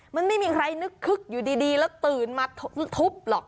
มันไม่มีใครนึกคึกอยู่ดีแล้วตื่นมาทุบหรอก